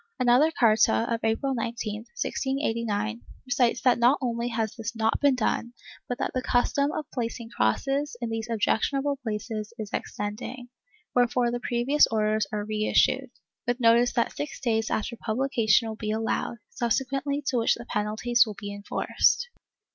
Another carta of April 19, 1689, recites that not only has this not been done, but that the custom of placing crosses in these objectionable places is extending, wherefore the previous orders are reissued, with notice that six days after publi cation will be allowed, subsequently to which the penalties will be enforced.